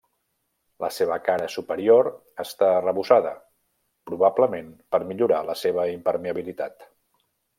La seva cara superior està arrebossada, probablement per millorar la seva impermeabilitat.